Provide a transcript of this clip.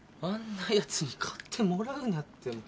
あんなやつに買ってもらうなって。